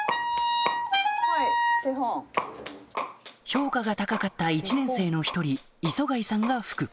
評価が高かった１年生の１人磯貝さんが吹く